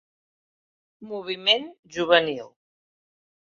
Moviment juvenil.